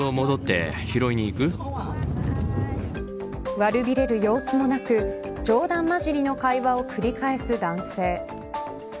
悪びれる様子もなく冗談交じりの会話を繰り返す男性。